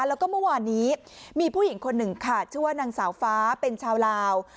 แล้วก็เมื่อวานนี้มีผู้หญิงคนหนึ่งค่ะชื่อว่านางสาวฟ้าเป็นชาวลาว